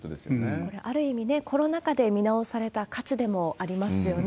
これ、ある意味、コロナ禍で見直された価値でもありますよね。